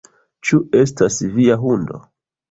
"Ĉu estas via hundo?"